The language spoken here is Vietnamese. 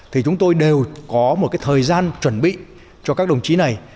thì chúng tôi đều có một cái thời gian chuẩn bị cho các đồng chí này